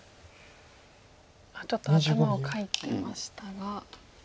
ちょっと頭をかいていましたが。